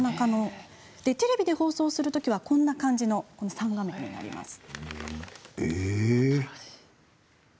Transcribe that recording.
テレビで放送するときはこんな感じの３画面になります。